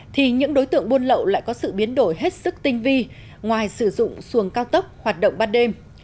thì những đối tượng buôn lậu lại có sự biến đổi hết sức tinh vi ngoài sử dụng xuồng cao tốc hoạt động ban đêm